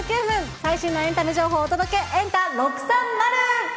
最新のエンタメ情報をお届けエンタ６３０。